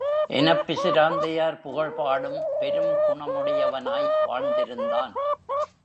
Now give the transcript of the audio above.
எனப் பிசிராந்தையார் புகழ் பாடும் பெருங்குணமுடையனாய் வாழ்ந்திருந்தான்.